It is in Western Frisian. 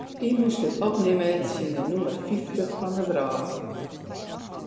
Hy moast it opnimme tsjin de nûmer fyftich fan de wrâld.